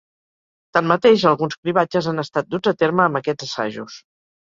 Tanmateix, alguns cribratges han estat duts a terme amb aquests assajos.